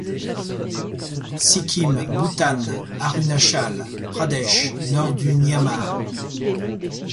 Sikkim, Bhoutan, Arunachal Pradesh, nord du Myanmar.